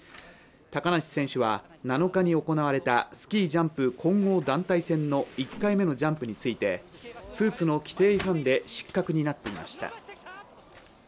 高梨選手は７日に行われたスキージャンプ混合団体戦の１回目のジャンプについて、スーツの規定違反で失格になっていました。